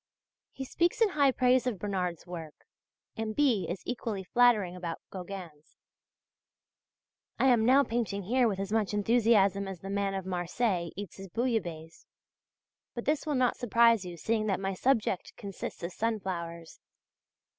He speaks in high praise of Bernard's work, and B. is equally flattering about Gauguin's. I am now painting here with as much enthusiasm as the man of Marseilles eats his bouillabaisse, and this will not surprise you seeing that my subject consists of sunflowers.